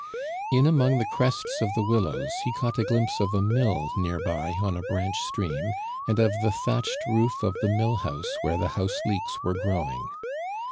In among the crests of the willows, he caught a glimpse of a mill near by on a branch stream, and of the thatched roof of the mill house where the house leeks were growing.